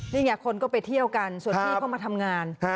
นี่ไงคนก็ไปเที่ยวกันส่วนที่เข้ามาทำงาน